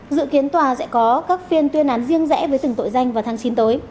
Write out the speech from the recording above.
dự kiến tòa sẽ có các phiên tuyên án riêng rẽ với từng tội danh vào tháng chín tới